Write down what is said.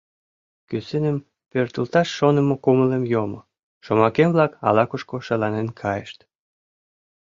Кӱсыным пӧртылташ шонымо кумылем йомо, шомакем-влак ала-кушко шаланен кайышт.